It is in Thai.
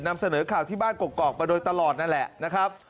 นำเสนอข่าวที่บ้านกอกมาโดยตลอดนั่นแหละนะครับ